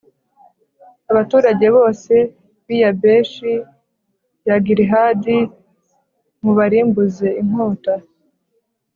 abaturage bose b'i yabeshi ya gilihadi mubarimbuze inkota